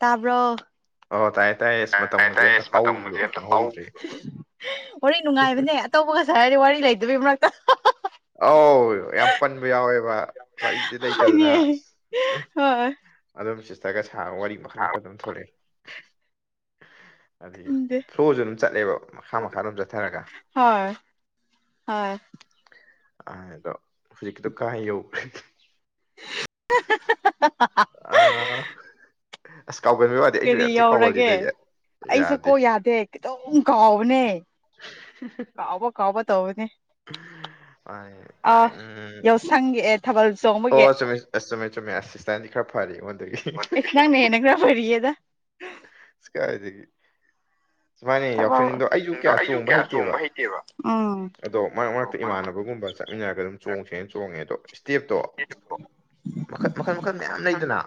ꯇꯥꯕ꯭ꯔꯣ ꯇꯥꯏꯌꯦ ꯇꯥꯏꯌꯦ ꯇꯥꯢ ꯇꯥꯢ ꯑꯁ ꯃꯇꯝꯒꯁꯦ ꯍꯦꯛꯇ ꯍꯧ ꯍꯍ ꯋꯥꯔꯤ ꯅꯨꯡꯉꯥꯏꯕꯅꯦ ꯑꯇꯧꯕꯒ ꯁꯥꯔꯗꯤ ꯋꯥꯔꯤ ꯂꯩꯇꯕꯩ ꯃꯔꯛꯇ ꯑꯧ ꯌꯥꯝ ꯄꯟꯕ ꯌꯥꯎꯋꯦꯕ ꯋꯥꯔꯤꯁꯦ ꯂꯩꯇꯗꯅ ꯑꯁ ꯑꯗꯨꯝ ꯁꯤꯁꯇꯔꯒ ꯁꯥ ꯋꯥꯔꯤ ꯃꯈꯜ ꯃꯈꯜ ꯑꯗꯨꯝ ꯊꯣꯛꯂꯛꯑꯦ ꯍꯥꯏꯗꯤ ꯐ꯭ꯂꯣꯁꯨ ꯑꯗꯨꯝ ꯆꯠꯂꯦꯕ ꯃꯈꯥ ꯃꯈꯥ ꯑꯗꯨꯝ ꯆꯠꯊꯔꯒ ꯍꯣꯏ ꯑꯗꯣ ꯍꯧꯖꯤꯛꯀꯤꯗꯣ ꯀꯥꯏ ꯌꯧꯈ꯭ꯔ ꯒꯦ ꯑꯥ ꯍ ꯍ ꯑꯁ ꯀꯥꯎꯒꯟꯕ ꯋꯥꯗꯤ ꯑꯩꯁꯨ ꯌꯥꯝ ꯊꯤ ꯀꯥꯎꯒꯜꯂꯤꯗ ꯑꯩ ꯌꯥꯗꯦ ꯍꯝ ꯍꯍ ꯀꯥꯎꯕ ꯇꯧꯕꯅꯦ ꯑꯥ ꯌꯥꯎꯁꯪꯒꯤ ꯑꯦꯠ ꯑꯣ ꯆꯨꯝꯃꯦ ꯑꯁ ꯆꯨꯝꯃꯦ ꯆꯨꯝꯃꯦ ꯑꯁ ꯁꯤꯁꯇꯔꯅ ꯢꯐ ꯐꯔꯦ ꯢꯑꯣꯟ ꯋꯥꯗꯤ ꯢꯁ ꯅꯪꯅ ꯍꯦꯟꯅ ꯈꯔ ꯐꯔꯤꯌꯦꯗ ꯁ ꯀꯥꯏꯗꯒꯤ ꯁꯨꯃꯥꯏꯅ ꯌꯥꯎꯁꯪꯗꯣ ꯑꯩꯁꯨ ꯀꯌꯥ ꯆꯣꯡꯕ ꯍꯩꯇꯦꯕ ꯑꯗꯣ ꯃꯔꯛ ꯃꯔꯛꯇ ꯏꯃꯥꯟꯅꯕꯒꯨꯝꯕ ꯆꯠꯃꯤꯟꯅꯔꯒ ꯑꯗꯨꯝ ꯆꯣꯡꯁꯦꯅ ꯆꯣꯡꯉꯦ ꯑꯗꯣ ꯁ꯭ꯇꯦꯞꯇꯣ ꯃꯈꯜ ꯃꯈꯜ ꯃꯈꯜ ꯃꯌꯥꯝ ꯂꯩꯗꯅ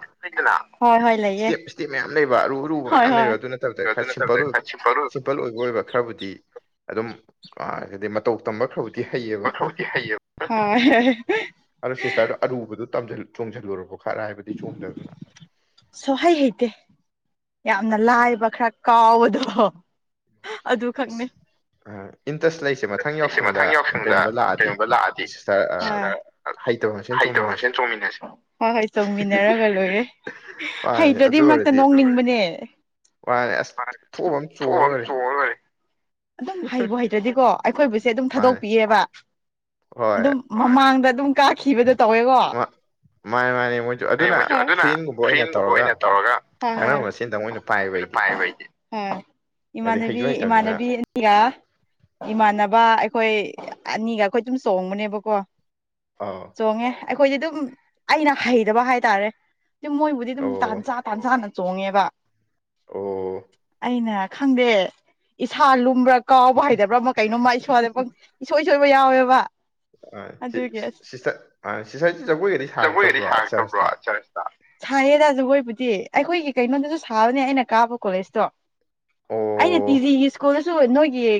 ꯏꯁꯇꯦꯞ ꯏꯁꯇꯦꯞ ꯃꯌꯥꯝ ꯂꯩꯕ ꯑꯔꯨ ꯑꯔꯨꯕ ꯃꯌꯥꯝ ꯂꯩꯕ ꯑꯗꯨ ꯅꯠꯇꯕꯗ ꯈꯔ ꯁꯤꯝꯄꯜ ꯑꯣꯏꯕ ꯁꯤꯝꯄꯜ ꯑꯣꯏꯕ ꯑꯣꯏꯕ ꯈꯔꯕꯨꯗꯤ ꯑꯗꯨꯝ ꯑꯥꯒꯗꯤ ꯃꯇꯧ ꯇꯝꯕ ꯈꯔꯕꯨ ꯗꯤ ꯍꯩꯌꯦꯕ ꯑꯗꯣ ꯁꯤꯁꯇꯔꯗꯣ ꯑꯔꯨꯕꯗꯨ ꯇꯝꯖꯤꯜ ꯆꯣꯡꯁꯤꯜꯂꯨꯔꯕꯣ ꯈꯔ ꯍꯥꯏꯕꯗꯤ ꯆꯣꯡꯗꯗꯅ ꯁꯨꯍꯩ ꯍꯩꯇꯦ ꯌꯥꯝꯅ ꯂꯥꯏꯕ ꯈꯔ ꯀꯥꯎꯕꯗꯣ ꯑꯗꯨ ꯈꯛꯅꯤ ꯑꯩꯁꯦ ꯃꯊꯪ ꯌꯥꯎꯁꯪꯗ ꯀꯩꯅꯣꯗ ꯂꯥꯛꯑꯗꯤ ꯁꯤꯁꯇꯔ ꯍꯩꯇꯕ ꯃꯁꯦꯟ ꯆꯣꯡꯃꯤꯟꯅꯁꯤꯀꯣ ꯍꯣ ꯍꯣꯏ ꯆꯣꯡꯃꯤꯟꯅꯔꯒ ꯂꯣꯏꯔꯦ ꯍꯩꯇ꯭ꯔꯗꯤ ꯃꯔꯛꯇ ꯅꯣꯛꯅꯤꯡꯕꯅꯦ ꯃꯥꯅꯦ ꯊꯣꯛꯑꯕꯃ ꯆꯣꯡꯉ ꯂꯣꯏꯔꯦ ꯑꯗꯨꯝ ꯍꯩꯕꯨ ꯍꯩꯇ꯭ꯔꯗꯤꯀꯣ ꯑꯈꯣꯏꯕꯨꯁꯦ ꯑꯗꯨꯝ ꯊꯥꯗꯣꯛꯄꯤꯌꯦꯕ ꯑꯗꯨꯝ ꯃꯃꯥꯡꯗ ꯑꯗꯨꯝ ꯀꯥꯈꯤꯕꯗꯣ ꯇꯧꯋꯦꯀꯣ ꯃꯣꯏꯖꯨ ꯑꯗꯨꯅ ꯐꯔꯦꯟꯒꯨꯝꯕ ꯑꯣꯏꯅ ꯇꯧꯔꯒ ꯄꯥꯏꯌꯦꯕ ꯑꯩꯗꯤ ꯎꯝ ꯏꯃꯥꯟꯅꯕꯤ ꯏꯃꯥꯟꯅꯕꯤ ꯑꯥ ꯏꯃꯥꯟꯅꯕ ꯑꯈꯣꯏ ꯑꯅꯤꯒ ꯑꯈꯣꯏ ꯑꯗꯨꯝ ꯆꯣꯡꯕꯅꯦꯕꯀꯣ ꯆꯣꯡꯉꯦ ꯑꯈꯣꯏꯗꯤ ꯑꯗꯨꯝ ꯑꯩꯅ ꯍꯩꯗꯕ ꯍꯥꯏꯇꯥꯔꯦ ꯃꯣꯏꯕꯨꯗꯤ ꯑꯗꯨꯝ ꯇꯥꯟꯆꯥ ꯇꯥꯟꯆꯥꯅ ꯆꯣꯡꯉꯦꯕ ꯑꯣ ꯑꯩꯅ ꯈꯪꯗꯦ ꯏꯁꯥ ꯂꯨꯝꯕ꯭ꯔꯥ ꯀꯥꯎꯕ ꯍꯩꯗꯕ꯭ꯔ ꯃ ꯀꯩꯅꯣꯝꯃ ꯑꯩ ꯁꯣꯜꯂꯦ ꯏꯁꯣꯏ ꯁꯣꯏꯕ ꯌꯥꯎꯋꯦꯕꯥ ꯑꯗꯨꯒꯤ ꯑꯁ ꯖꯒꯣꯏꯒꯗꯤ ꯁꯥꯔꯛꯇꯕ꯭ꯔꯣ ꯆꯔꯁꯇ ꯁꯥꯏꯌꯦꯗ ꯖꯒꯣꯏꯕꯨꯗꯤ ꯑꯈꯣꯏꯒꯤ ꯀꯩꯅꯣꯗꯖꯨ ꯁꯥꯕꯅꯦ ꯑꯩꯅ ꯀꯥꯕ ꯀꯣꯂꯦꯖꯇꯣ ꯑꯩꯅ ꯇꯤ ꯖꯤꯒꯤ ꯁ꯭ꯨꯀꯜ ꯅꯣ ꯅꯣꯏꯒꯤ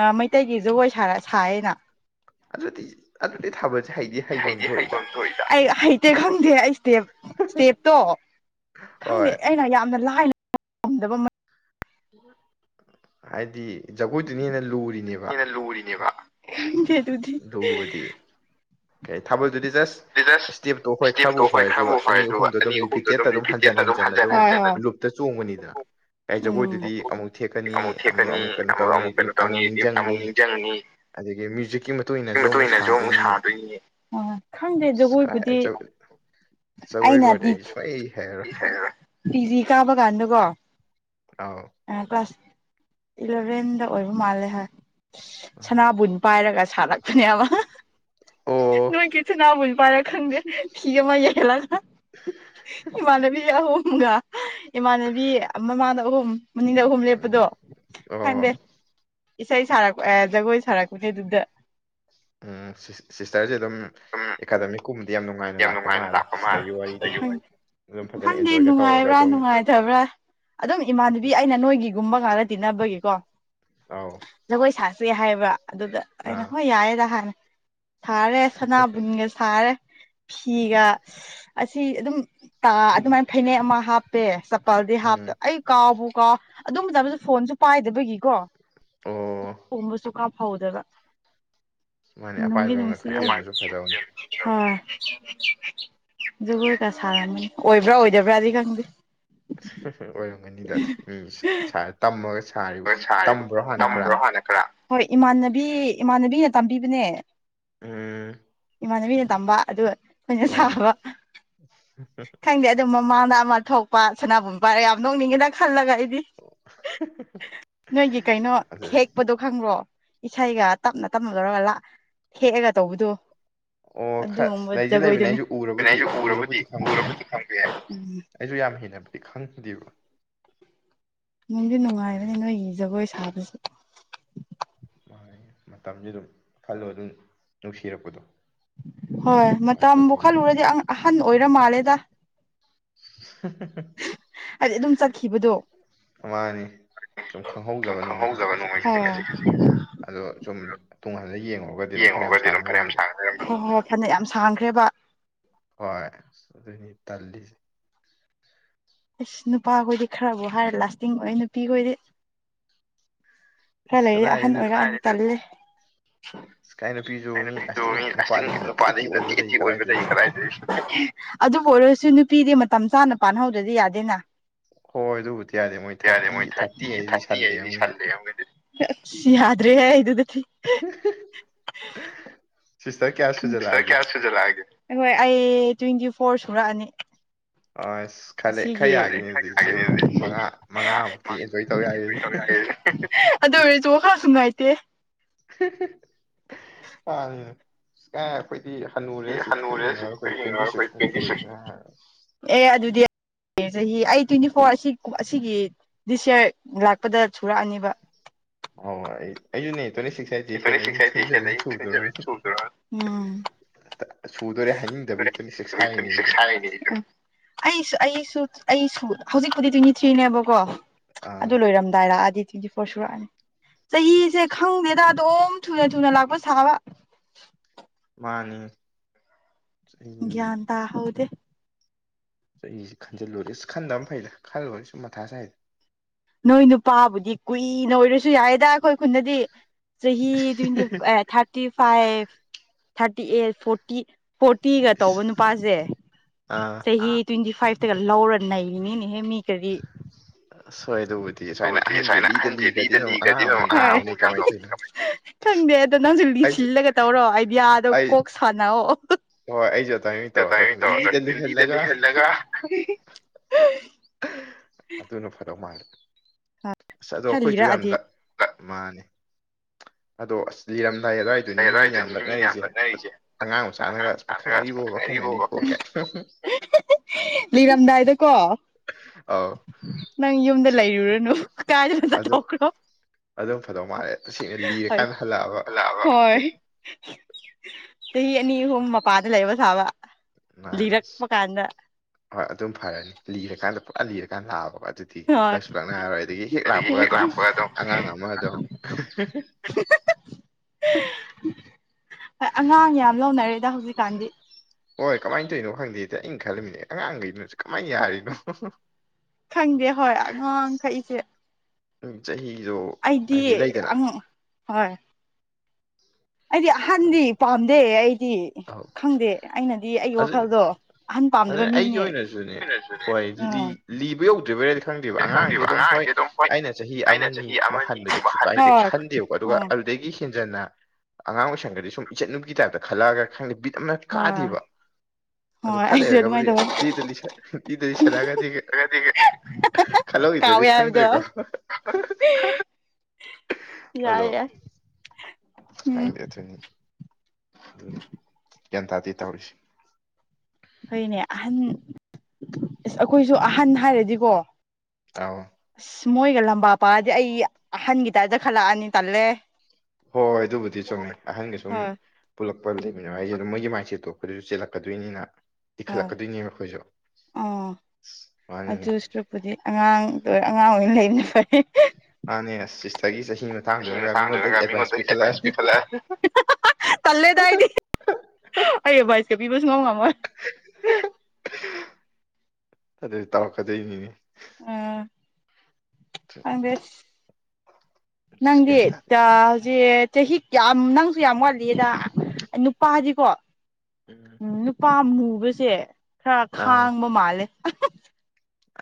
ꯑꯥ ꯃꯩꯇꯩꯒꯤ ꯖꯒꯣꯏ ꯁꯥꯔ ꯁꯥꯏꯌꯦꯅ ꯑꯗꯨꯗꯤ ꯑꯗꯨꯗꯤ ꯊꯥꯕꯜ ꯍꯩꯗꯤ ꯍꯩꯕꯝ ꯊꯣꯛꯏꯗ ꯑꯩ ꯍꯩ ꯇꯦ ꯈꯪꯗꯦ ꯑꯩ ꯏꯁꯇꯦꯞ ꯏꯁꯇꯦꯞꯇꯣ ꯈꯪꯗꯦ ꯑꯩꯅ ꯌꯥꯝꯅ ꯂꯥꯏꯅ ꯉꯝꯗꯕ ꯍꯥꯏꯗꯤ ꯖꯒꯣꯏꯗꯨꯅ ꯍꯦꯟꯅ ꯂꯨ ꯍꯦꯟꯅ ꯂꯨꯔꯤꯅꯦꯕ ꯈꯪꯗꯦ ꯑꯗꯨꯗꯤ ꯀꯩ ꯊꯥꯕꯜ ꯗꯨꯗꯤ ꯖꯁ ꯏꯁꯇꯦꯞꯇꯣ ꯍꯣꯏ ꯈꯔꯕꯨ ꯐꯔꯦꯗꯨꯒ ꯑꯅꯤ ꯑꯍꯨꯝꯗꯣ ꯑꯗꯨꯝ ꯔꯤꯄꯤꯇꯦꯠꯇ ꯑꯗꯨꯝ ꯍꯟꯖꯟ ꯍꯟꯖꯟ ꯑꯗꯨꯝ ꯂꯨꯞꯇ ꯆꯣꯡꯕꯅꯤꯗꯅ ꯑꯩ ꯖꯒꯣꯏꯗꯨꯗꯤ ꯑꯃꯨꯛ ꯊꯦꯛꯀꯅꯤ ꯑꯃꯨꯛ ꯑꯃꯨꯛ ꯀꯩꯅꯣ ꯇꯧꯅꯤ ꯑꯃꯨꯛ ꯅꯤꯡꯖꯪꯅꯤ ꯑꯗꯒꯤ ꯃ꯭ꯌꯨꯖꯤꯛꯀꯤ ꯃꯇꯨꯡ ꯏꯟꯅ ꯃꯇꯨꯡꯏꯟꯅꯖꯨ ꯑꯃꯨꯛ ꯁꯥꯗꯣꯏꯅꯤ ꯈꯪꯗꯦ ꯖꯒꯣꯏꯕꯨꯗꯤ ꯑꯩꯅ ꯇꯤꯖꯤ ꯍꯥꯏꯔꯑꯣ ꯇꯤꯖꯤ ꯀꯥꯕ ꯀꯥꯟꯗꯀꯣ ꯑꯥꯎ ꯀ꯭ꯂꯥꯁ ꯏꯂꯚꯦꯟꯗ ꯑꯣꯏꯕ ꯃꯥꯜꯂꯦ ꯍꯥꯏ ꯁꯅꯥꯕꯨꯟ ꯄꯥꯏꯔꯒ ꯁꯥꯔꯛ ꯄꯅꯦꯕꯥ ꯅꯣꯏꯒꯤ ꯁꯅꯥꯕꯨꯟ ꯄꯥꯏꯔ ꯈꯪꯗꯦ ꯐꯤ ꯑꯃ ꯌꯦꯜꯂꯒ ꯏꯃꯥꯟꯅꯕꯤ ꯑꯍꯣꯝꯒ ꯏꯃꯥꯟꯅꯕꯤ ꯃꯃꯥꯡꯗ ꯑꯍꯨꯝ ꯃꯅꯤꯡꯗ ꯑꯍꯨꯝ ꯂꯦꯞꯄꯗꯣ ꯈꯪꯗꯦ ꯏꯁꯩ ꯁꯥꯔꯛꯄ ꯑ ꯖꯒꯣꯏ ꯁꯥꯔꯛꯄꯅꯦꯗꯨꯗ ꯎꯝ ꯁꯤꯁꯇꯔꯖꯦ ꯑꯗꯨꯝ ꯑꯦꯀꯥꯗꯃꯤꯛ ꯀꯨꯝ ꯌꯥꯝ ꯅꯨꯡꯉꯥꯏꯅ ꯂꯥꯛꯄ ꯃꯥꯜꯂꯦ ꯁꯤꯁꯇꯔꯒꯤ ꯋꯥꯔꯤꯗꯒꯤ ꯈꯪꯗꯦ ꯅꯨꯡꯉꯥꯏꯕ꯭ꯔꯥ ꯅꯨꯡꯉꯥꯏꯇꯕ꯭ꯔꯥ ꯑꯗꯨꯝ ꯏꯃꯥꯟꯅꯕꯤ ꯑꯩꯅ ꯅꯣꯏꯒꯤꯒꯨꯝꯕ ꯉꯥꯛꯗ ꯇꯤꯟꯅꯕꯒꯤꯀꯣ ꯖꯒꯣꯏ ꯁꯥ ꯁꯦ ꯍꯥꯏꯕ ꯑꯗꯨꯗ ꯑꯩꯅ ꯍꯣꯏ ꯌꯥꯏꯌꯦꯗ ꯍꯥꯏ ꯁꯥꯔꯦ ꯁꯅꯥꯕꯨꯟꯒ ꯁꯥꯔꯦ ꯐꯤꯒ ꯑꯁꯤ ꯑꯗꯨꯝ ꯇꯥ ꯑꯗꯨꯃꯥꯏ ꯐꯩꯅꯦꯛ ꯑꯃ ꯍꯥꯞꯄꯦ ꯍꯥꯞꯇ ꯑꯩ ꯀꯥꯎꯕ ꯀꯥꯎ ꯑꯗꯨꯝꯕ ꯃꯇꯝꯗ ꯐꯣꯟꯁꯨ ꯄꯥꯏꯗꯕꯒꯤꯀꯣ ꯐꯣꯟꯗꯁꯨ ꯀꯥꯞꯐꯧꯗꯕ ꯅꯨꯡꯗꯤ ꯅꯨꯡꯁꯤ ꯍꯦ ꯍꯣꯏ ꯖꯒꯣꯏ ꯀ ꯁꯥꯔꯅꯤ ꯑꯣꯏꯕ꯭ꯔꯥ ꯑꯣꯏꯗꯕ꯭ꯔꯥꯗꯤ ꯈꯪꯗꯦ ꯑꯣꯏꯔꯝꯒꯅꯤꯗꯝ ꯎꯝ ꯇꯝꯃꯒ ꯍꯣꯏ ꯏꯃꯥꯟꯅꯕꯤ ꯏꯃꯥꯟꯅꯕꯤꯅ ꯇꯝꯕꯤꯕꯅꯦ ꯎꯝ ꯏꯃꯥꯟꯅꯕꯤꯅ ꯇꯝꯕ ꯑꯗꯨꯒ ꯑꯩꯈꯅ ꯁꯥꯕ ꯈꯪꯗꯦ ꯑꯗꯨꯝ ꯃꯃꯥꯡꯗ ꯑꯃ ꯊꯣꯛ ꯁꯅꯥꯕꯨꯨꯝ ꯄꯔꯦ ꯌꯥꯝ ꯅꯣꯛꯅꯤꯡꯉꯦꯅ ꯈꯜꯂꯒ ꯑꯩꯗꯤ ꯅꯣꯏꯒꯤ ꯀꯩꯅꯣ ꯍꯦꯛꯄꯗꯣ ꯈꯪꯕ꯭ꯔꯣ ꯏꯁꯩꯒ ꯇꯞꯅ ꯇꯞꯅ ꯂꯧꯔꯒ ꯊꯦꯛꯑꯒ ꯇꯧꯕꯗꯨꯣ ꯑꯗꯨꯒꯨꯝꯕ ꯖꯒꯣꯏꯗꯨꯅꯤ ꯑꯗ ꯑꯩꯁꯨ ꯎꯔꯕꯨꯗꯤ ꯎꯔꯕꯨꯗꯤ ꯈꯪꯕ ꯌꯥꯢꯌꯦꯕ ꯌꯥꯝ ꯍꯅꯕꯨꯗꯤ ꯈꯪꯗꯦꯕ ꯅꯨꯡꯗꯤ ꯅꯨꯡꯉꯥꯏꯔꯅꯤ ꯅꯣꯏꯒꯤ ꯖꯒꯣꯏ ꯁꯥꯕꯁ ꯃꯥ ꯃꯇꯝꯁꯨ ꯑꯗꯨꯝ ꯈꯜꯂꯣ ꯑꯗꯨꯝ ꯅꯨꯡꯁꯤꯔꯛꯄꯗꯣ ꯍꯣꯏ ꯃꯇꯝꯕꯨ ꯈꯜꯂꯨꯔꯗꯤ ꯑꯍꯟ ꯑꯣꯏꯔ ꯃꯥꯜꯂꯦꯗ ꯍ ꯍ ꯍ ꯍꯥꯏꯗꯤ ꯑꯗꯨꯝ ꯆꯠꯈꯤꯕꯗꯣ ꯃꯥꯅꯤ ꯁꯨꯝ ꯈꯪꯍꯧꯗꯕ ꯅꯣꯡꯃꯩ ꯈꯖꯤꯛ ꯈꯖꯤꯛ ꯈꯖꯤꯛ ꯈꯖꯤꯛ ꯑꯗꯣ ꯁꯨꯝ ꯌꯦꯡꯉꯣꯒꯗꯤ ꯑꯗꯨꯝ ꯐꯅ ꯌꯥꯝ ꯁꯥꯡꯈ꯭ꯔꯦ ꯍꯣꯏ ꯍꯣꯏ ꯐꯅꯦ ꯌꯥꯝ ꯁꯥꯡꯈ꯭ꯔꯦꯕ ꯍꯣꯏ ꯍꯣꯢ ꯑꯗꯨꯅꯤ ꯇꯜꯂꯤꯁꯦ ꯑꯁ ꯅꯨꯄꯥꯈꯣꯏꯗꯤ ꯈꯔꯕꯨ ꯍꯥꯏꯔꯦ ꯂꯥꯁꯇꯤꯡ ꯑꯣꯏ ꯅꯨꯄꯤꯈꯣꯏꯗꯤ ꯈꯔ ꯂꯩꯔꯗꯤ ꯑꯍꯟ ꯑꯣꯏꯔꯛꯅꯤ ꯇꯜꯂꯦ ꯑꯩ ꯅꯨꯄꯤꯗꯨꯡ ꯃꯤ ꯑꯁ ꯊꯤꯡ ꯅꯨꯄꯥꯗ ꯍꯦꯟꯅ ꯊꯤ ꯊꯤ ꯑꯣꯏꯕꯅꯦ ꯀꯗꯥꯏꯗꯩ ꯑꯗꯨꯕꯨ ꯑꯣꯏꯔꯁꯨ ꯅꯨꯄꯤꯗꯤ ꯃꯇꯝ ꯆꯥꯅ ꯄꯥꯟꯍꯧꯗ꯭ꯔꯗꯤ ꯌꯥꯗꯦꯅ ꯌꯥꯔꯦ ꯃꯣꯏ ꯊꯥꯔꯇꯤ ꯊꯥꯔꯇꯤ ꯍꯥꯏꯗꯤ ꯁꯜꯂꯦꯑꯒꯅꯤ ꯑ ꯌꯥꯗ꯭ꯔꯦꯍ ꯑꯩ ꯑꯗꯨꯗꯗꯤ ꯁꯤꯁꯇ꯭ꯔ ꯀꯥꯌ ꯁꯨꯖꯤꯜ ꯂꯛ ꯑꯒꯦ ꯑꯈꯣꯏ ꯑꯩ ꯇ꯭ꯋꯦꯟꯇꯤ ꯐꯣꯔ ꯁꯨꯔꯛꯑꯅꯤ ꯑꯁꯤꯒꯤ [unintelligible] ꯑꯗꯨ ꯑꯣꯢꯔꯁꯨ ꯋꯈꯥꯛ ꯅꯨꯡꯉꯥꯏꯇꯦ ꯍ ꯍ ꯀꯥꯢꯗꯒꯤꯅꯣ ꯀꯥꯢ ꯑꯈꯣꯏ ꯗꯤ ꯍꯟꯅꯨꯔꯦ ꯁꯤꯁꯇ ꯈꯔ ꯌꯦꯡꯉꯒ ꯑꯩꯈꯣꯏ ꯇ꯭ꯋꯦꯟꯇꯤ ꯁꯤꯛꯁꯃꯨꯛ ꯁꯨꯔꯦꯒꯦꯅ ꯍꯥꯏꯔ ꯒꯤ ꯆꯍꯤ ꯑꯩ ꯇ꯭ꯋꯦꯟꯇꯤ ꯐꯣꯔ ꯑꯁꯤ ꯑꯁꯤꯒꯤ ꯗꯤꯁ ꯌꯥꯔ ꯂꯥꯛꯄꯗ ꯁꯨꯔꯛꯑꯅꯦꯕ ꯍ ꯑꯩ ꯑꯩꯖꯨꯅꯦ ꯇ꯭ꯋꯦꯟꯇꯤ ꯁꯤꯛꯁ ꯍꯥꯏꯗꯤ ꯍꯦꯂ ꯑ ꯇ꯭ꯋꯦꯟꯇꯤ ꯁꯚꯦꯟ ꯁꯨꯗꯣꯔꯣ ꯁꯨꯗꯣꯔꯦ ꯍꯥꯏꯅꯤꯡꯗꯕꯒꯤ ꯇꯨꯋꯦꯟꯇꯤ ꯁꯤꯛꯁ ꯍꯥꯢꯔꯤꯅꯦ ꯑꯩꯁꯨ ꯑꯩꯁꯨ ꯑꯩꯁꯨ ꯑꯩꯁꯨ ꯍꯧꯖꯤꯛꯄꯨꯗꯤ ꯇ꯭ꯋꯦꯟꯇꯤ ꯊ꯭ꯔꯤꯅꯦꯕꯀꯣ ꯑꯗꯨ ꯂꯣꯏꯔꯝꯗꯥꯏꯔꯛꯑꯗꯤ ꯇꯨꯋꯦꯟꯇꯤ ꯐꯣꯔ ꯁꯨꯔꯛꯑꯅꯤ ꯆꯍꯤꯁꯦ ꯈꯪꯗꯦꯗ ꯑꯗꯨꯝ ꯊꯨꯅ ꯊꯨꯅ ꯂꯥꯛꯄ ꯁꯥꯕ ꯃꯥꯅꯤ ꯒꯤꯌꯥꯟ ꯇꯍꯧꯗꯦ ꯑꯩ ꯑꯩꯁꯦ ꯈꯟꯖꯤꯜꯂꯨꯔꯦ ꯑꯁ ꯈꯟꯗꯕ ꯑꯃ ꯐꯩꯗ ꯈꯜꯂꯨꯔꯦ ꯁꯨꯝ ꯃꯊ ꯁꯥꯏꯗ ꯅꯣꯏ ꯅꯨꯄꯥꯕꯨꯗꯤ ꯀꯨꯏꯅ ꯑꯣꯏꯔꯁꯨ ꯌꯥꯏꯌꯦꯗ ꯑꯩꯈꯣꯏ ꯈꯨꯟꯗꯗꯤ ꯆꯍꯤ ꯇ꯭ꯋꯦꯟꯇꯤ ꯑꯦ ꯊꯥꯔꯇꯤ ꯐꯥꯏꯚ ꯊꯥꯔ ꯇꯤ ꯑꯦꯑ ꯐꯣꯔꯇꯤ ꯐꯣꯔꯇꯤꯒ ꯇꯧꯕ ꯅꯨꯄꯥꯁꯦ ꯆꯍꯤ ꯇ꯭ꯋꯦꯟꯇꯤ ꯐꯥꯏꯐꯇꯒ ꯂꯧꯔ ꯅꯩꯔꯤꯅꯤꯅꯦꯍꯦ ꯃꯤ ꯀꯔꯤ ꯑꯗꯨꯗꯤ ꯁꯨꯃꯥꯏꯅ ꯑꯍꯟꯁꯦ ꯂꯤꯗ ꯂꯤꯒꯗꯤ [unintelligible] ꯗꯦ ꯑꯗꯣ ꯅꯪꯁꯨ ꯂꯤꯁꯤꯜꯂꯒ ꯇꯧꯔꯣ ꯑꯥꯏꯗꯤꯌꯥꯗꯣ ꯀꯣꯛ ꯁꯥꯟꯅꯑꯣ ꯍꯣꯏ ꯑꯩꯁꯨ ꯑꯗꯥꯏ ꯇꯧꯔꯗ꯭ꯔ ꯈꯪꯗꯦ ꯂꯤꯗ ꯂꯤꯍꯜꯂꯒ ꯑꯗꯨꯅ ꯐꯗꯧ ꯃꯥꯜꯂꯦ ꯑꯁ ꯑꯗꯣ ꯑꯩꯈꯣꯏꯁꯨ ꯌꯥꯝ ꯃꯥꯅꯤ ꯑꯗꯣ ꯑꯁ ꯂꯤꯔꯝ ꯑꯦ ꯑꯗꯥꯢꯗꯅꯤꯅꯦ ꯃꯤ ꯃꯤꯅꯦ ꯌꯥꯝ ꯂꯛꯅꯔꯤꯁꯦ ꯑꯉꯥꯡ ꯃꯆꯥꯒ [unintelligible] ꯂꯤꯔꯝꯗꯥꯏꯗꯀꯣ ꯑ ꯅꯪ ꯌꯨꯝꯗ ꯂꯩꯔꯨꯔꯅꯨ ꯀꯥꯏꯗꯅꯣꯝ ꯆꯠꯊꯣꯛꯈ꯭ꯔꯣ ꯀꯃꯥꯢ ꯇꯁꯦꯡꯅ ꯂꯤꯔꯀꯥꯟ ꯍꯜꯂ ꯍꯣꯏ ꯆꯍꯤ ꯑꯅꯤ ꯑꯍꯨꯝ ꯃꯄꯥꯗ ꯂꯩꯕ ꯁꯥꯕ ꯃꯥ ꯍꯣꯏ ꯑꯗꯨꯝ ꯐꯔꯅꯤ ꯂꯤꯔꯀꯥꯟꯗ ꯄꯨꯔꯥ ꯂꯤꯔꯀꯥꯟꯗ ꯂꯥꯛꯑꯕ ꯑꯗꯨꯗꯤ ꯂꯛꯁꯨꯂꯛꯅꯔꯔꯣꯏ ꯑꯗꯨꯒꯤ ꯍꯦꯛ ꯂꯥꯛꯄꯒ ꯑꯗꯨꯝ ꯑꯉꯥꯡ ꯑꯃ ꯑꯗꯨꯝ [unintelligible] [inaudible] ꯍꯣꯏ ꯑꯉꯥꯡ ꯌꯥꯝ ꯂꯧꯅꯔꯦꯗ ꯍꯧꯖꯤꯛꯀꯥꯟꯗꯤ ꯍꯣꯏ ꯀꯃꯥꯏꯅ ꯇꯧꯔꯤꯅꯣ ꯈꯪꯗꯦꯗ ꯑꯩꯅ ꯈꯜꯂꯤꯃꯤꯅꯦ ꯑꯉꯥꯡꯒꯩꯗꯨꯅꯁꯨ ꯀꯃꯥꯏꯅ ꯌꯥꯔꯤꯅꯣ ꯈꯪꯗꯦ ꯍꯣꯏ ꯑꯉꯥꯡꯈꯩꯁꯦ ꯑꯝ ꯆꯍꯤꯗꯣ ꯍꯥꯏꯗꯤ ꯂꯩꯗꯅ ꯑꯩꯗꯤ ꯑꯍꯟꯗꯤ ꯄꯥꯝꯗꯦ ꯑꯩꯗꯤ ꯈꯪꯗꯦ ꯑꯩꯅꯗꯤ ꯑꯩꯒꯤ ꯋꯥꯈꯜꯗꯣ ꯑꯗꯨꯅꯦ ꯑꯩꯒꯤ ꯑꯣꯏꯅꯁꯨꯅꯦ ꯍꯣꯏꯗꯨꯗꯤ ꯂꯤꯕ ꯌꯧꯗ꯭ꯔꯤꯕꯔꯗꯤ ꯈꯪꯗꯦꯕ ꯑꯉꯥꯡꯁꯦ ꯑꯗꯨꯝ ꯍꯣꯏ ꯍꯣꯏ ꯑꯩꯅ ꯆꯍꯤ ꯑꯃꯅꯤ ꯑꯅꯤꯒꯨꯝꯕ ꯍꯟꯕꯗꯤ ꯀꯩꯁꯨ ꯀꯥꯏꯗꯦ ꯈꯟꯗꯦꯕꯀꯣ ꯑꯗꯨꯒ ꯑꯗꯨꯗꯒꯤ ꯍꯦꯟꯖꯟꯅ ꯑꯉꯥꯡ ꯑꯣꯏꯁꯟꯈꯔꯗꯤ ꯁꯨꯝ ꯏꯆꯟ ꯅꯨꯄꯤꯒꯤ ꯇꯥꯏꯞꯇ ꯈꯜꯂꯛꯑꯒ ꯈꯪꯗꯦ ꯕꯤꯠ ꯌꯥꯝꯅ ꯀꯥꯗꯦꯕ ꯑꯗꯨ ꯈꯔ ꯂꯩꯔꯒꯕꯨꯗꯤ ꯂꯤꯗ ꯂꯤꯁ ꯂꯤꯗ ꯂꯤꯁꯜꯂꯛ ꯑꯒꯗꯤ ꯈꯜꯂꯛꯑꯣꯏꯗꯔꯗꯤ ꯈꯪꯗ꯭ꯔꯦꯀꯣ ꯑꯗꯣ ꯍꯥꯏꯕꯗꯤ ꯑꯗꯨꯅꯤ ꯒ꯭ꯌꯥꯟ ꯇꯥꯗꯦ ꯇꯧꯔꯤꯁꯤ ꯐꯩꯅꯦ ꯑꯍꯟ ꯑꯁ ꯑꯈꯣꯏꯁꯨ ꯑꯍꯟ ꯍꯥꯏꯔꯗꯤꯀꯣ ꯑꯧ ꯑꯁ ꯃꯣꯏꯒ ꯂꯝꯕꯥ ꯄꯥꯗꯤ ꯑꯩ ꯑꯍꯟꯒꯤ ꯇꯥꯏꯞꯇ ꯈꯜꯂꯛꯑꯅꯤ ꯇꯜꯂꯦ ꯍꯣꯏ ꯍꯣꯏ ꯑꯗꯨꯕꯨꯗꯤ ꯆꯨꯝꯃꯦ ꯑꯍꯟꯒꯤ ꯁꯨꯝ ꯄꯨꯜꯂꯛ ꯄ ꯂꯩꯕꯅ ꯍꯥꯏꯁꯦꯗ ꯃꯣꯏꯒꯤ ꯃꯥꯏꯟꯁꯦꯠꯇꯣ ꯑꯈꯣꯐꯗꯁꯨ ꯆꯦꯜꯂꯛꯀꯗꯣꯏꯅꯤꯅ ꯍꯣꯏ ꯑꯥ ꯑꯗꯨꯏ ꯁꯔꯨꯛꯄꯨꯗꯤ ꯑꯉꯥꯡꯒ ꯑꯉꯥꯡ ꯑꯣꯏꯅ ꯂꯩꯕꯅ ꯐꯩ ꯃꯥꯅꯦ ꯁꯤꯁꯇꯔꯒꯤ ꯆꯍꯤ ꯇꯁꯦꯡꯅ ꯇꯥꯡꯗꯨꯔꯒ ꯃꯤꯉꯣꯟꯗ ꯑꯦꯗꯚꯥꯏꯁ ꯄꯤꯈꯠꯂꯜꯂꯛꯑꯅꯤ ꯇꯜꯂꯦꯗ ꯑꯩꯗꯤ ꯑꯩ ꯑꯚꯥꯏꯁꯀ ꯄꯤꯕ ꯁꯨꯡꯉꯝ ꯉꯝꯃꯣꯏ ꯑꯗꯨꯗꯤ ꯇꯧꯔꯛꯀꯗꯣꯏꯅꯤꯅꯦ ꯑꯝ ꯈꯪꯗꯦ ꯑꯁ ꯅꯪꯗꯤ ꯇ ꯍꯧꯖꯤꯛ ꯆꯍꯤ ꯌꯥꯝ ꯅꯪꯁꯨ ꯌꯥꯝ ꯋꯥꯠꯂꯤꯗ ꯅꯨꯄꯥꯗꯤꯀꯣ ꯎꯝ ꯅꯨꯄꯥ ꯃꯨꯕꯁꯦ ꯈꯔ ꯈꯥꯡꯕ ꯃꯥꯜꯂꯦ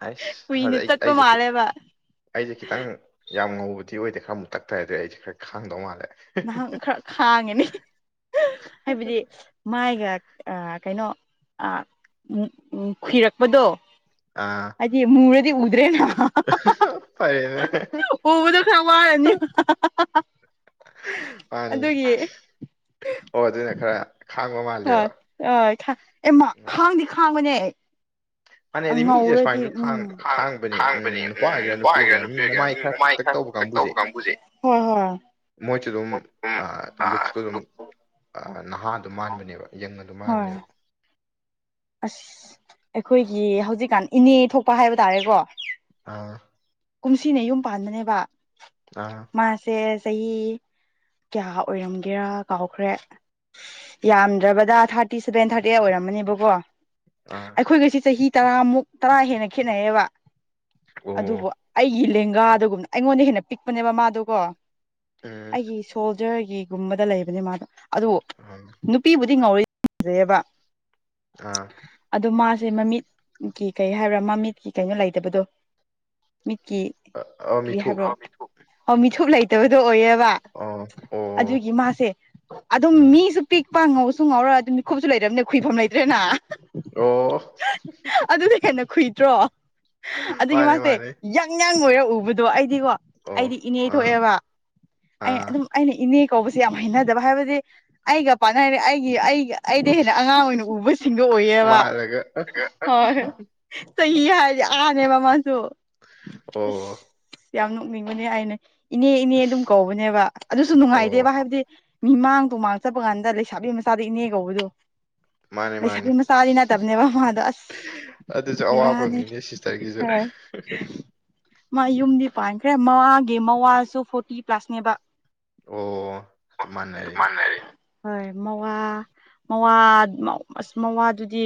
ꯑꯩꯁ ꯑꯗꯨꯗ ꯑꯩ ꯑꯩꯁꯦ ꯈꯤꯠꯇ ꯑꯩꯁꯦ ꯈꯤꯇꯪ ꯌꯥꯝ ꯉꯧꯕꯗꯤ ꯑꯣꯏꯗꯦ ꯈꯔ ꯃꯨꯇꯛ ꯇꯧꯋꯦ ꯑꯗꯨꯏ ꯑꯩꯁꯦ ꯈꯔ ꯈꯥꯡꯗꯧ ꯃꯥꯜꯂꯦ ꯅꯍꯥꯟ ꯈꯔ ꯈꯥꯡꯉꯅꯤ ꯍꯥꯏꯕꯗꯤ ꯃꯥꯏꯒ ꯑꯥ ꯀꯩꯅꯣ ꯑ ꯎꯝ ꯎꯝ ꯈꯨꯏꯔꯛꯄꯗꯣ ꯍꯥꯏꯗꯤ ꯃꯨꯔꯗꯤ ꯎꯗ꯭ꯔꯦꯅ ꯎꯕꯗ ꯈꯔ ꯋꯥꯔꯅꯤ ꯃꯥꯅꯤ ꯑꯣ ꯑꯗꯨꯅ ꯈꯔ ꯍꯣꯏ ꯍ ꯑꯦꯃ ꯈꯥꯡꯗꯤ ꯈꯥꯡꯕꯅꯦ ꯑꯥ ꯉꯧꯔꯗꯤ ꯈꯥꯡꯕꯅꯦ ꯎꯝ ꯅꯨꯄꯥ ꯑꯣꯏꯒꯦꯔꯥ ꯅꯨꯄꯤ ꯑꯣꯏꯒꯦꯔꯥ ꯃꯤꯑꯣꯡꯗ ꯃꯥꯏ ꯈ ꯇꯛ ꯇꯧꯕ ꯀꯥꯡꯕꯨꯖꯦ ꯍꯣꯏ ꯍꯣꯏ ꯍꯣꯏ ꯃꯣꯏꯁꯨ ꯑꯗꯨꯝ ꯑꯥ ꯂꯨꯛꯁꯇꯣ ꯗꯨꯝ ꯑꯥ ꯅꯍꯥ ꯑꯗꯨꯝ ꯃꯥꯟꯕꯅꯦꯕ ꯌꯪ ꯑꯗꯨꯝ ꯃꯥꯟꯕꯅꯦꯕ ꯑꯁ ꯑꯈꯣꯏꯒꯤ ꯍꯧꯖꯤꯛꯀꯥꯟ ꯏꯅꯦ ꯊꯣꯛꯄ ꯍꯥꯏꯕ ꯇꯥꯔꯦꯀꯣ ꯑꯥ ꯀꯨꯝꯁꯤꯅ ꯌꯨꯝ ꯄꯥꯟꯕꯅꯦꯕ ꯃꯥꯁꯦ ꯆꯍꯤ ꯀꯌꯥ ꯑꯣꯏꯔꯝꯒꯦꯔ ꯀꯥꯎꯈ꯭ꯔꯦ ꯌꯥꯝꯗ꯭ꯔꯕꯗ ꯊꯥꯔꯇꯤ ꯁꯦꯚꯦꯟ ꯊꯥꯔꯇꯤ ꯑꯩꯠ ꯑꯣꯏꯔꯝꯃꯅꯤꯕꯀꯣ ꯑꯈꯣꯏꯒꯁꯦ ꯆꯍꯤ ꯇꯔꯥꯃꯨꯛ ꯇꯔꯥ ꯍꯦꯟꯅ ꯈꯦꯠꯅꯩꯌꯦꯕ ꯑꯗꯨꯕꯨ ꯑꯩꯒꯤ ꯂꯦꯡꯒꯥꯗꯨꯒꯨꯝ ꯑꯩꯉꯣꯟꯗꯩ ꯍꯦꯟꯅ ꯄꯤꯛꯄꯅꯦꯕ ꯃꯥꯗꯣꯀꯣ ꯑꯩꯒꯤ ꯁꯣꯜꯖꯔꯒꯤꯒꯨꯝꯕꯗ ꯂꯩꯕꯅꯦ ꯃꯥꯗꯣ ꯑꯗꯣ ꯅꯨꯄꯤꯕꯨꯗꯤ ꯉꯧꯋꯦ ꯐꯖꯩꯌꯦꯕ ꯑꯥ ꯑꯗꯨ ꯃꯥꯁꯦ ꯃꯃꯤꯠꯀꯤ ꯀꯩ ꯍꯥꯏꯕ꯭ꯔꯥ ꯃꯃꯤꯠꯀꯤ ꯀꯩꯅꯣ ꯂꯩꯇꯕꯗꯣ ꯃꯤꯠꯀꯤ ꯀꯔꯤ ꯍꯥꯏꯕ꯭ꯔꯣ ꯑꯣ ꯃꯤꯊꯨꯞ ꯑꯣ ꯃꯤꯊꯨꯞ ꯂꯩꯇꯕ ꯗꯣ ꯑꯣꯏꯌꯦꯕ ꯑꯗꯨꯒꯤ ꯃꯥꯁꯦ ꯑꯗꯨꯝ ꯃꯤꯁꯨ ꯄꯤꯛ ꯄꯥ ꯉꯧꯁꯨ ꯉꯧꯔ ꯑꯗꯨ ꯃꯤꯈꯨꯞꯁꯨ ꯂꯩꯇ꯭ꯔꯝꯅꯤꯅ ꯈꯨꯏꯐꯝ ꯂꯩꯇ꯭ꯔꯦꯅ ꯑꯣ ꯍꯞꯍꯍꯍꯍ ꯇ꯭ꯔꯣ ꯑꯗꯨꯒꯤ ꯃꯥꯁꯦ ꯌꯪ ꯌꯪ ꯑꯣꯏꯔꯒ ꯎꯕꯗꯣ ꯑꯩꯗꯤꯀꯣ ꯑꯩꯗꯤ ꯏꯅꯦ ꯊꯣꯛꯑꯦꯕ ꯑꯩ ꯑꯗꯨꯝ ꯑꯩꯅ ꯏꯅꯦ ꯀꯧꯕꯁꯦ ꯌꯥꯝ ꯍꯩꯅꯗꯕ ꯍꯥꯏꯕꯗꯤ ꯑꯩꯒ ꯄꯥꯔꯠꯅꯔꯅꯤ ꯑꯩꯒꯤ ꯑꯩ ꯑꯩꯗꯤ ꯍꯦꯟꯅ ꯑꯉꯥꯡ ꯑꯣꯏꯅ ꯎꯕꯁꯤꯡꯗꯣ ꯑꯣꯏꯌꯦꯕ ꯍꯣꯏ ꯍ ꯆꯍꯤ ꯍꯥꯏꯔꯗꯤ ꯑꯉꯥꯡꯅꯦꯕ ꯃꯥꯁꯨ ꯑꯁ ꯌꯥꯝ ꯅꯣꯛꯅꯤꯡꯕꯅꯦ ꯍꯥꯢꯅꯦ ꯏꯅꯦ ꯏꯅꯦ ꯑꯗꯨꯝ ꯀꯧꯕꯅꯦꯕ ꯑꯗꯨꯁꯨ ꯅꯨꯡꯉꯥꯏꯇꯦꯕ ꯍꯥꯏꯕꯗꯤ ꯃꯤꯃꯥꯡ ꯇꯨꯃꯥꯡ ꯆꯠꯄ ꯀꯥꯟꯗ ꯂꯩꯁꯥꯕꯤ ꯃꯆꯥꯗ ꯏꯅꯦ ꯀꯧꯕꯗꯨ ꯂꯩꯁꯥꯕꯤ ꯃꯆꯥꯗꯤ ꯅꯠꯇꯕꯅꯦꯕ ꯃꯥꯗꯣ ꯑꯁ ꯑꯗꯨꯁꯨ ꯑꯋꯥꯕ ꯑꯝꯅꯤꯅꯦ ꯁꯤꯁꯇꯔꯒꯤꯁꯨ ꯑꯍꯍ ꯃꯥ ꯌꯨꯝꯗꯤ ꯄꯥꯟꯈ꯭ꯔꯦ ꯃꯃꯥꯒꯤ ꯃꯋꯥꯁꯨ ꯐꯣꯔꯇꯤ ꯄ꯭ꯂꯁꯅꯦꯕ ꯑꯣ ꯑꯗꯨ ꯃꯥꯟꯅꯔꯦꯅꯦ ꯍꯣꯏ ꯃꯋꯥ ꯃꯋꯥ ꯃꯧ ꯑꯁ ꯃꯋꯥꯗꯨꯗꯤ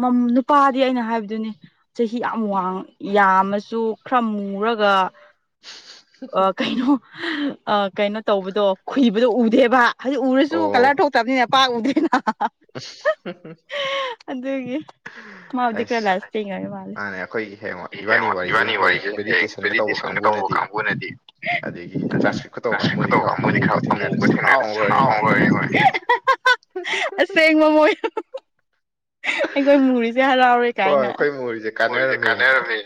ꯃꯝ ꯅꯨꯄꯥꯗꯤ ꯑꯩꯅ ꯍꯥꯏꯕꯗꯨꯅꯤ ꯆꯍꯤ ꯌꯥ ꯌꯥꯝ ꯋꯥꯡ ꯌꯥꯝꯃꯁꯨ ꯈꯔ ꯃꯨꯔꯒ ꯑ ꯀꯩꯅꯣ ꯑ ꯀꯩꯅꯣ ꯇꯧꯕꯗꯣ ꯈꯨꯏꯕꯗꯣ ꯎꯗꯦꯕ ꯍꯥꯏꯗꯤ ꯎꯔꯁꯨ ꯀꯂꯔ ꯊꯣꯛꯇꯕꯅꯤꯅ ꯄꯥꯛ ꯎꯗꯦꯅ ꯍꯝ ꯍꯝ ꯍ ꯍꯥ ꯑꯗꯨꯒꯤ ꯑꯩꯁ ꯃꯥꯥꯟꯅꯦ ꯑꯩꯈꯣꯏꯒꯤ ꯍꯌꯦꯡ ꯋꯥ ꯏꯕꯥꯟꯅꯤꯒꯤ ꯋꯥꯔꯤꯁꯦ ꯍꯌꯦꯡ ꯚꯦꯂꯣꯗꯦꯁꯟꯒ ꯇꯧꯕ ꯀꯥꯡꯕꯨ ꯕꯨꯅꯗꯤ ꯕꯨꯅꯗꯤ ꯇꯥꯛꯁ ꯇꯧ ꯀꯥꯡꯕꯨꯗꯤ ꯈꯔ ꯑꯃꯨꯕ ꯊꯦꯡꯅꯗ ꯁꯥꯎ ꯂꯣꯢꯔꯦ ꯈꯣꯢ ꯑꯍꯥꯍꯥꯍꯥ ꯑꯁꯦꯡꯕ ꯃꯣꯏ ꯍꯍꯍ ꯍ ꯑꯩꯈꯣꯏ ꯃꯨꯔꯤꯁꯦ ꯍꯔꯥꯎꯔꯦ ꯀꯥꯏꯅ [unintelligible] ꯀꯥꯟꯅꯔꯝꯃꯦ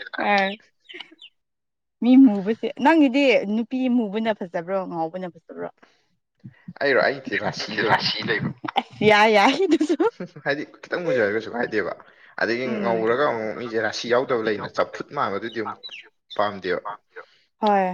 ꯃꯤ ꯃꯨꯕꯁꯦ ꯅꯪꯒꯤꯗꯤ ꯅꯨꯄꯤ ꯃꯨꯕꯅ ꯐꯖꯕ꯭ꯔꯣ ꯉꯧꯕꯅ ꯐꯖꯕ꯭ꯔꯣ ꯔꯥꯁꯤ ꯂꯩꯕ ꯑꯁ ꯌꯥꯏ ꯌꯥꯏ ꯍꯦ ꯍꯝ ꯍꯥꯏꯗꯤ ꯈꯤꯇꯪ ꯄꯨꯖꯔꯒꯁꯨ ꯀꯥꯏꯗꯦꯕ ꯑꯗꯒꯤ ꯉꯧꯔꯒ ꯑꯃꯨꯛ ꯃꯤꯁꯦ ꯔꯥꯁꯤ ꯌꯥꯎꯗꯕ ꯂꯩꯅ ꯆꯝꯐꯨꯠ ꯃꯥꯡꯕꯗꯨꯗꯤ ꯑꯃꯨꯛ ꯄꯥꯝ ꯄꯥꯝꯗꯦꯕ ꯍꯣꯏ